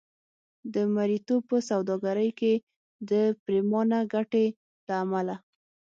د مریتوب په سوداګرۍ کې د پرېمانه ګټې له امله.